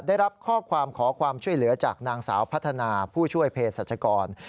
ได้รับข้อความขอความช่วยเหลือจากนางสาวพัฒนาผู้ช่วยเพศรัชกร